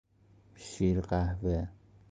شیر قهوه